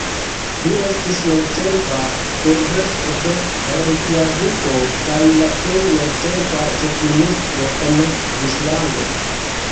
Li estis longtempa urbestro de Rejkjaviko kaj la plej longtempa ĉefministro en Islando.